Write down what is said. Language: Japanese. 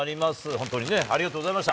本当にね、ありがとうございました。